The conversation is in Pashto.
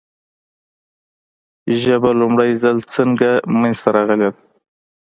ژبه لومړی ځل څنګه منځ ته راغلې ده ؟